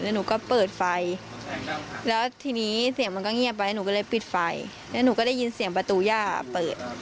แล้วหนูก็เปิดไฟแล้วทีนี้เสียงมันก็เงียบไว้หนูก็เลยปิดไฟแล้วหนูก็ได้ยินเสียงประตูย่าเปิด